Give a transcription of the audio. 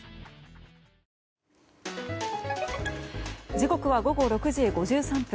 時刻は午後６時５３分。